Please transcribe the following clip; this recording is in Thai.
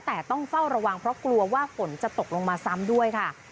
แต่ต้องเฝ้าระวังเพราะกลัวว่าฝนจะตกลงมาซ้ำด้วยค่ะ